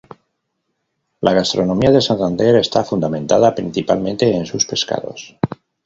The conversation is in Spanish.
La gastronomía de Santander está fundamentada principalmente en sus pescados.